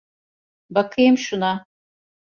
Bakayım şuna.